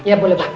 ya boleh mbak